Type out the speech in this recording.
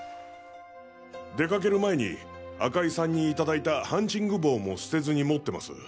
出かける前に赤井さんに頂いたハンチング帽も捨てずに持ってます。